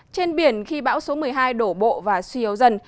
trên biển khi bão số một mươi hai đổ bộ và suy yếu dần